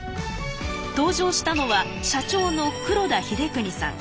登場したのは社長の黒田英邦さん。